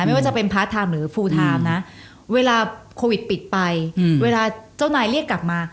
ไม่ว่าจะเป็นพาร์ทไทม์หรือฟูลไทม์นะเวลาโควิดปิดไปเวลาเจ้านายเรียกกลับมา